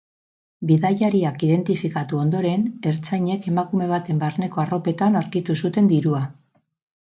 Bidaiariak identifikatu ondoren, ertzainek emakume baten barneko arropetan aurkitu zuten dirua.